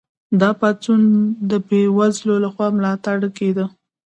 دا پاڅون د بې وزلو لخوا ملاتړ کیده.